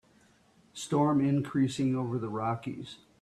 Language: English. Storm increasing over the Rockies.